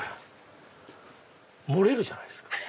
漏れるじゃないですか。